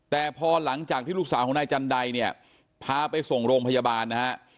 แต่พอหลังจากที่ลูกสาวของนายจันไดเนี่ยพาไปส่งโรงพยาบาลนะฮะ